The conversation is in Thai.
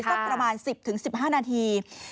สักประมาณ๑๐๑๕นาที